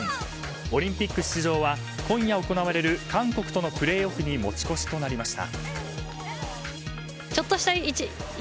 オリンピック出場は今夜行われる韓国とのプレーオフに持ち越しとなりました。